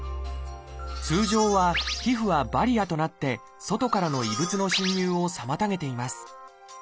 通常は皮膚はバリアとなって外からの異物の侵入を妨げています。